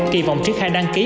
kỳ vọng triển khai đăng ký